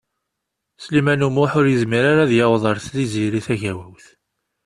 Sliman U Muḥ ur yezmir ara ad yaweḍ ar Tiziri Tagawawt.